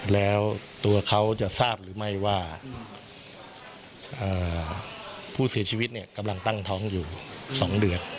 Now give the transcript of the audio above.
แล้วตัวเขาจะทราบหรือไม่ว่าผู้เสียชีวิตเนี่ยกำลังตั้งท้องอยู่๒เดือน